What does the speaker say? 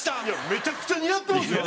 めちゃくちゃ似合ってますよ。